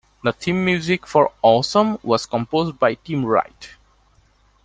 The theme music for "Awesome" was composed by Tim Wright.